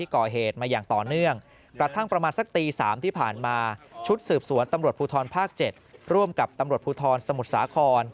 ชุดสืบสวนตำรวจภูทรภาค๗ร่วมกับตำรวจภูทรสมุทรสาคร